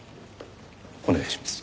お願いします。